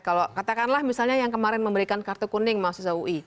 kalau katakanlah misalnya yang kemarin memberikan kartu kuning mahasiswa ui